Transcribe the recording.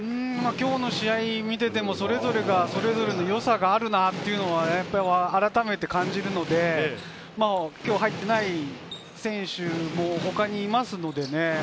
今日の試合を見ていても、それぞれのよさがあるなというのは、あらためて感じるので、今日は入っていない選手、もう他にいますのでね。